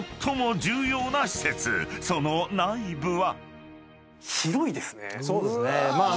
［その内部は］